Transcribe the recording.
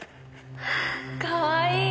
かわいい！